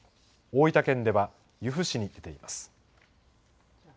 大分県では由布市に出ています。